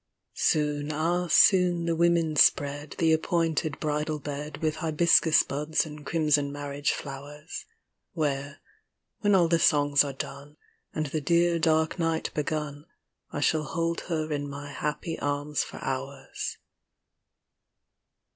Soon, ah, soon, the women spread The appointed bridal bed With hibiscus buds and crimson marriage flowers, Where, when all the songs are done, And the dear dark night begun, I shall hold her in my happy arms for hours.